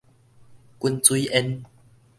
滾水煙